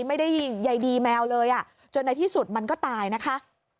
ไม่ได้ใยดีแมวเลยอ่ะจนในที่สุดมันก็ตายนะคะ